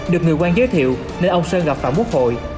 được người quan giới thiệu nên ông sơn gặp phạm quốc hội